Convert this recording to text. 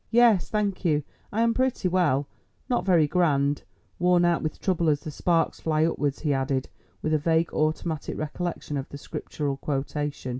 "Yes, thank you, I am pretty well, not very grand—worn out with trouble as the sparks fly upwards," he added, with a vague automatic recollection of the scriptural quotation.